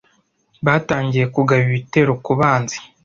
Batangiye kugaba ibitero ku banzi.